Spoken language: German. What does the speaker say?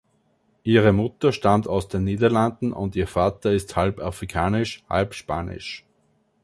Ihre Mutter stammt aus den Niederlanden und ihr Vater ist halb-afrikanisch, halb-spanisch.